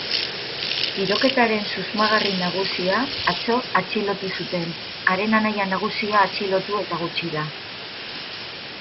Tiroketaren susmagarri nagusia atzo atxilotu zuten, haren anaia nagusia atxilotu eta gutxira.